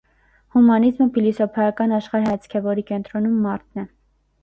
Հումանիզմը փիլիսոփայական աշխարհայացք է, որի կենտրոնում մարդն է։